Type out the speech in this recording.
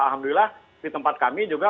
alhamdulillah di tempat kami juga